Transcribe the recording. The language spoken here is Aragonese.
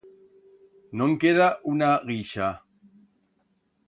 No'n queda una guixa.